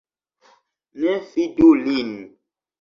Ne fidu lin.